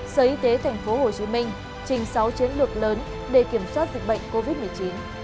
sở y tế tp hcm trình sáu chiến lược lớn để kiểm soát dịch bệnh covid một mươi chín